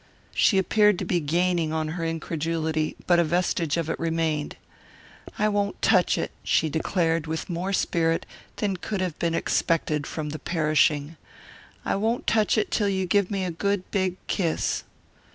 She appeared to be gaining on her incredulity, but a vestige of it remained. "I won't touch it," she declared with more spirit than could have been expected from the perishing, "I won't touch it till you give me a good big kiss."